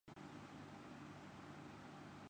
ممکنات کا ڈھیر ہے۔